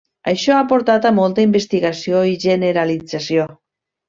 Això ha portat a molta investigació i generalització.